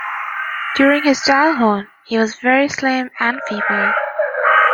During his childhood he was very slim and feeble.